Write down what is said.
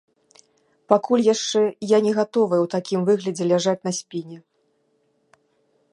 Пакуль яшчэ я не гатовая ў такім выглядзе ляжаць на спіне.